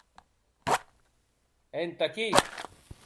Entà qui!